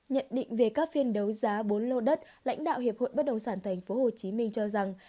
nhận định về các phiên đấu giá bốn lâu đất lãnh đạo hiệp hội bất đồng sản thành phố hồ chí minh cho rằng